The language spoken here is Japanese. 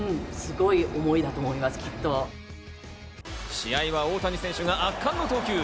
試合は大谷選手が圧巻の投球。